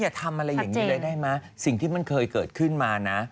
แล้วอย่าทำอะไรอย่างนี้เลยได้มั้ยสิ่งที่มันเคยเกิดขึ้นมานะ